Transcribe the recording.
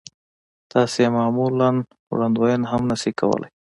تاسې يې معمولاً وړاندوينه هم نه شئ کولای.